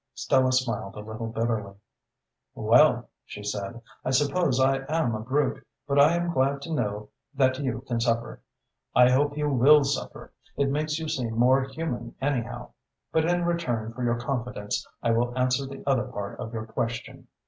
Stella smiled a little bitterly. "Well," she said, "I suppose I am a brute, but I am glad to know that you can suffer. I hope you will suffer; it makes you seem more human anyhow. But in return for your confidence I will answer the other part of your question.